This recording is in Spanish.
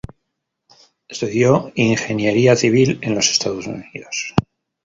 Estudió ingeniería civil en los Estados Unidos.